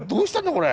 これ。